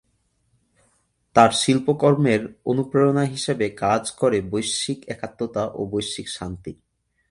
তার শিল্পকর্মের অনুপ্রেরণা হিসেবে কাজ করে বৈশ্বিক একাত্মতা ও বৈশ্বিক শান্তি।